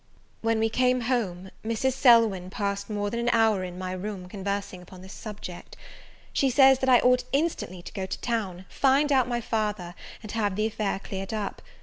When we came home, Mrs. Selwyn passed more than an hour in my room conversing upon this subject. She says, that I ought instantly to go to town, find out my father, and have the affair cleared up.